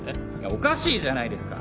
おかしいじゃないですか！